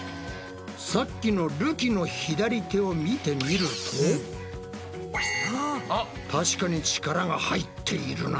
さっきのるきの左手を見てみると確かに力が入っているな。